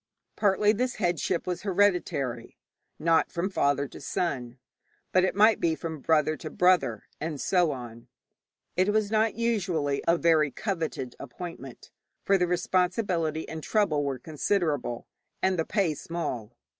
Partly this headship was hereditary, not from father to son, but it might be from brother to brother, and so on. It was not usually a very coveted appointment, for the responsibility and trouble were considerable, and the pay small.